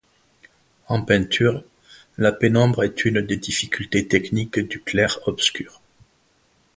En peinture, la pénombre est une des difficultés techniques du clair-obscur.